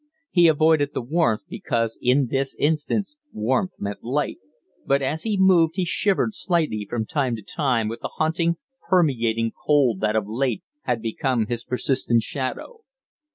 He avoided the warmth because in this instance warmth meant light, but as he moved he shivered slightly from time to time with the haunting, permeating cold that of late had become his persistent shadow.